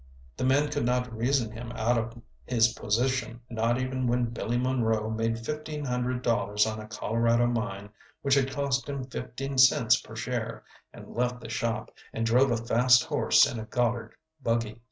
The men could not reason him out of his position, not even when Billy Monroe made fifteen hundred dollars on a Colorado mine which had cost him fifteen cents per share, and left the shop, and drove a fast horse in a Goddard buggy.